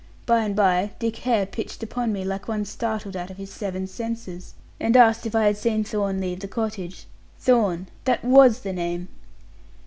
By and by, Dick Hare pitched upon me, like one startled out of his seven senses, and asked if I had seen Thorn leave the cottage. Thorn that was the name."